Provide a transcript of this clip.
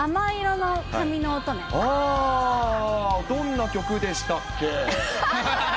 鷲見さん、どんな曲でしたっけ？